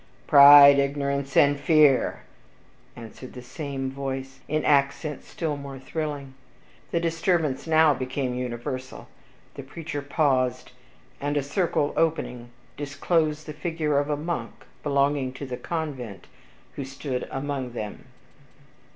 "Pride, ignorance, and fear," answered the same voice, in accents still more thrilling. The disturbance now became universal. The preacher paused, and a circle opening, disclosed the figure of a monk belonging to the convent, who stood among them.